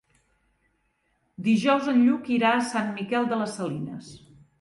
Dijous en Lluc irà a Sant Miquel de les Salines.